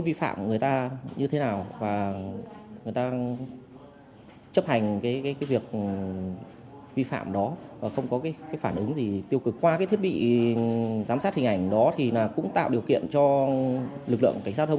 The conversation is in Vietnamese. vi phạm quy định tại điểm dê khoảng bốn điều năm nghị định một trăm linh